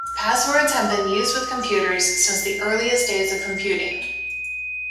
Passwords have been used with computers since the earliest days of computing.